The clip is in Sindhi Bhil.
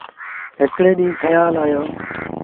هڪڙي ڏيٚݩهݩ کيآل آيو۔